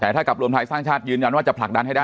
แต่ถ้ากับรวมไทยสร้างชาติยืนยันว่าจะผลักดันให้ได้